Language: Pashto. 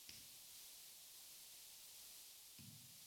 اوبزین معدنونه د افغانستان د اقلیمي نظام ښکارندوی ده.